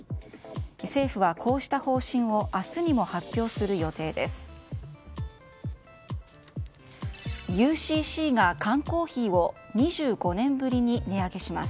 政府はこうした方針を明日にも発表する予定です。